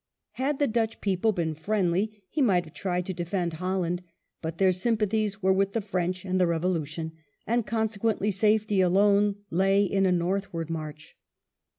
Had the Dutch people been friendly, he might have tried to defend Holland, but their sympathies were with the French and the Eevolu tion, and consequently safety alone lay in a northward march.